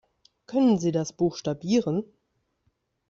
Können Sie das buchstabieren?